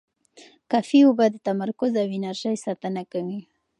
کافي اوبه د تمرکز او انرژۍ ساتنه کوي.